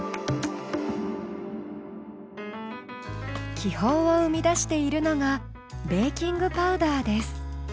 気泡を生み出しているのがベーキングパウダーです。